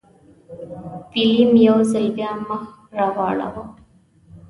ویلیم یو ځل بیا مخ راواړوه.